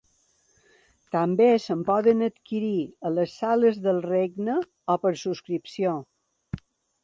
També se'n poden adquirir a les Sales del Regne o per subscripció.